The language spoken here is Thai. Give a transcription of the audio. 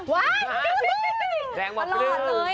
ขนาดนั้นหนังหว่าเพื่อ